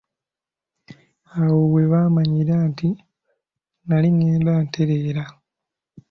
Awo we baamanyira nti nnali ngenda ntereera.